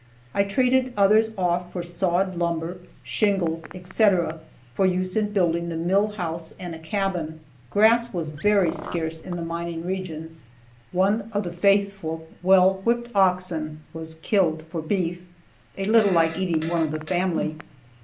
I traded others off for sawed lumber, shingles, etc., for use in building the mill house and a cabin. Grass was very scarce in the mining regions. One of the faithful, well whipped oxen was killed for beef (a little like eating one of the family).